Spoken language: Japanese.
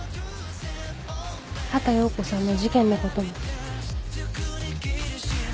畑葉子さんの事件のことも。